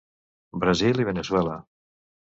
Brasil i Veneçuela.